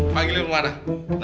panggilnya rumah mana